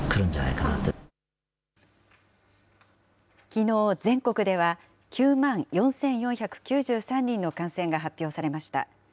きのう、全国では９万４４９３人の感染が発表されました。